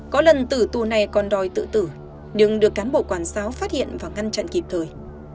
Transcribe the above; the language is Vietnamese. có lần tử tù này còn đòi tự tử nhưng được cán bộ quản giáo phát hiện và ngăn chặn kịp thời